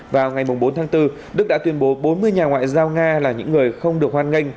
vào ngày bốn tháng bốn đức đã tuyên bố bốn mươi nhà ngoại giao nga là những người không được hoan nghênh